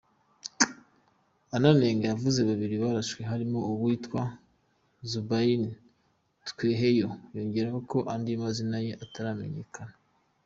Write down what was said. Enanga yavuze babiri barashwe harimo uwitwa Zubair Tweheyo, yongeraho ko undi amazina ye ataramenyaka.